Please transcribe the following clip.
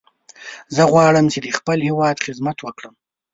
زه غواړم چې د خپل هیواد خدمت وکړم.